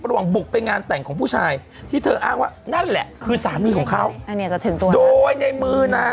เพราะกับก็มีพิธีรถน้ำมีเบาเสาอยู่ในมือ